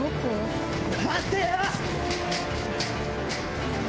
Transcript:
待てよ！